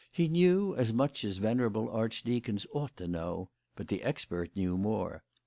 "He knew as much as venerable archdeacons ought to know; but the expert knew more.